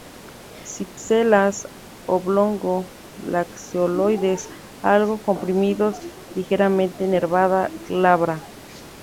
Cipselas oblongo-lanceoloides, algo comprimidos, ligeramente nervada, glabra.